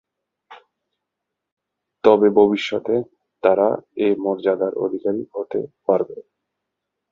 তবে ভবিষ্যতে তারা এ মর্যাদার অধিকারী হতে পারবে।